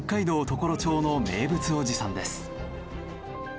常呂町の名物おじさんです。